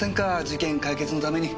事件解決のために。